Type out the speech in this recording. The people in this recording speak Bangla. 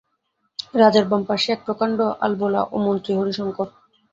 রাজার বামপার্শ্বে এক প্রকাণ্ড আলবােলা ও মন্ত্রী হরিশঙ্কর।